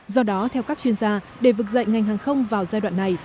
do đó theo các chuyên gia để vực dậy ngành hàng không vào giai đoạn này